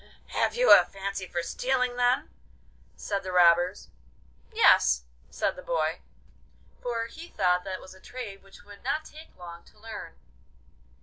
'Have you a fancy for stealing, then?' said the robbers. 'Yes,' said the boy, for he thought that was a trade which would not take long to learn.